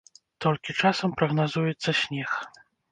Толькі часам прагназуецца снег.